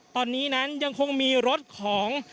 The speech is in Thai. ตอนนี้นั้นยังคงมีรถของ